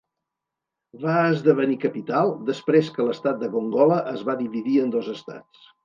Va esdevenir capital després que l'estat de Gongola es va dividir en dos estats.